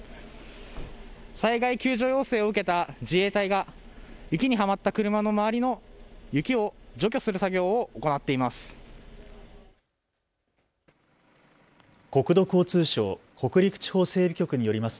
災害救助要請を受けた自衛隊が雪にはまった車の周りの雪を除去する作業を行っています。